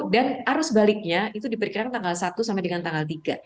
dan arus baliknya itu diperkirakan tanggal satu sampai dengan tanggal tiga